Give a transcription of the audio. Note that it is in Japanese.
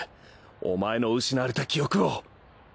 お前の失われた記憶を。